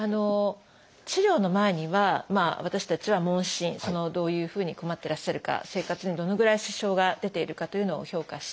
治療の前には私たちは問診どういうふうに困ってらっしゃるか生活にどのぐらい支障が出ているかというのを評価して。